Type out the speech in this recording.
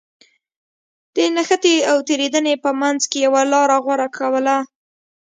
د نښتې او تېرېدنې په منځ کې يوه لاره غوره کوله.